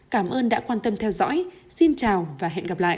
cảm ơn đã quan tâm theo dõi xin chào và hẹn gặp lại